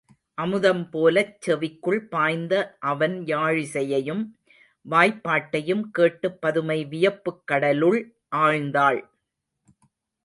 அமுதம் போலச் செவிக்குள் பாய்ந்த அவன் யாழிசையையும் வாய்ப்பாட்டையும் கேட்டுப் பதுமை வியப்புக் கடலுள் ஆழ்ந்தாள்.